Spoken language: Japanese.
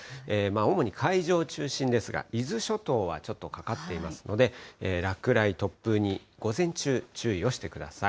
主に海上中心ですが、伊豆諸島はちょっとかかっていますので、落雷、突風に午前中、注意をしてください。